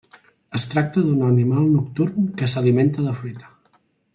Es tracta d'un animal nocturn que s'alimenta de fruita.